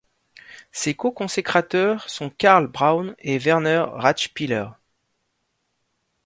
Ses co-consécrateurs sont Karl Braun et Werner Radspieler.